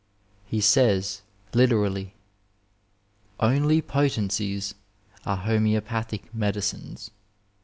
He says, Uterally :' Only potencies are homoeopathic medicines.'